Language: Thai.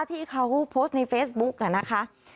ที่เขาโพสต์ในเฟซบุ๊กนะคะ